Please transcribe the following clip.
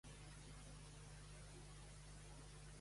"El el llegiré mai no si trobo".